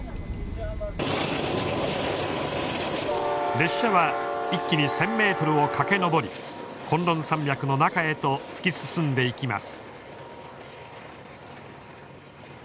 列車は気に１，０００ｍを駆け上り崑崙山脈の中へと突き進んでいきます。